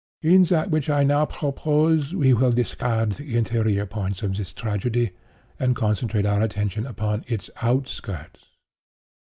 "In that which I now propose, we will discard the interior points of this tragedy, and concentrate our attention upon its outskirts.